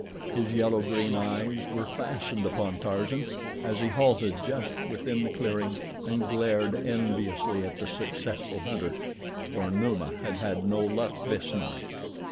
His yellow green eyes were fastened upon Tarzan as he halted just within the clearing and glared enviously at the successful hunter, for Numa had had no luck this night.